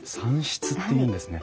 蚕室っていうんですね。